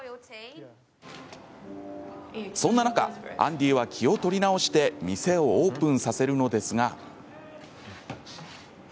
そんな中、アンディは気を取り直して店をオープンさせるのですが。